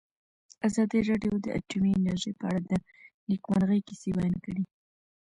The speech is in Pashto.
ازادي راډیو د اټومي انرژي په اړه د نېکمرغۍ کیسې بیان کړې.